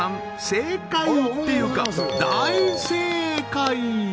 正解っていうか大正解！